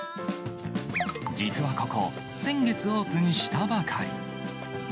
実はここ、先月オープンしたばかり。